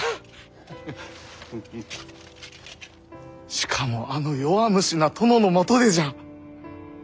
しかもあの弱虫な殿のもとでじゃ。